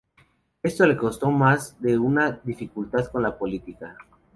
Esto le costó más de una dificultad con la policía.